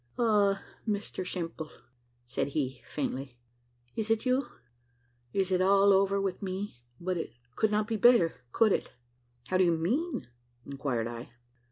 "Ah, Mr Simple," said he, faintly, "is it you? It's all over with me but it could not be better could it?" "How do you mean?" inquired I.